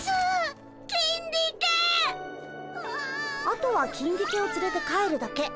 あとはキンディケをつれて帰るだけ。